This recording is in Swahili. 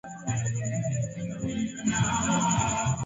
Asili ya kizazi cha Sui kilianza kutawala miaka ya